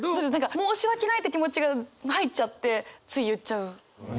申し訳ないって気持ちが入っちゃってつい言っちゃう。